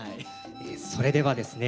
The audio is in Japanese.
それではですね